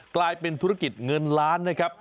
กลายเป็นธุรกิจเงินล้านนะครับ